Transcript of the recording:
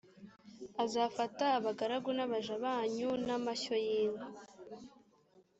azafata abagaragu n abaja banyu n amashyo y inka